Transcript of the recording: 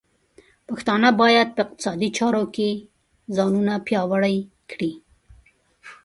پښتانه بايد په اقتصادي چارو کې ځانونه پیاوړي کړي.